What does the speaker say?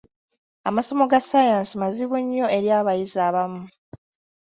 Amasomo ga ssaayansi mazibu nnyo eri abayizi abamu.